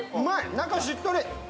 中しっとり！